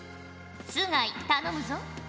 須貝頼むぞ。